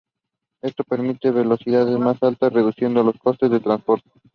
Esto permite velocidades más alta reduciendo los costes del transporte.